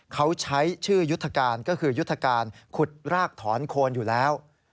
เขาใช้ชื่อยุทธการก็คือยุทธการขุดรากถอนโคนอยู่แล้ว